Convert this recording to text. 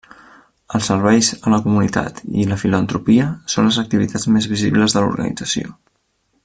Els serveis a la comunitat i la filantropia, són les activitats més visibles de l'organització.